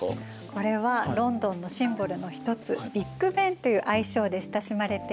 これはロンドンのシンボルの一つビッグ・ベンっていう愛称で親しまれている時計塔。